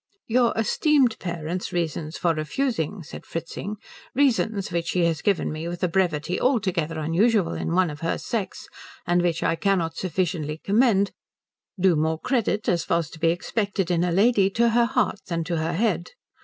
"Your esteemed parent's reasons for refusing," said Fritzing, "reasons which she has given me with a brevity altogether unusual in one of her sex and which I cannot sufficiently commend, do more credit, as was to be expected in a lady, to her heart than to her head.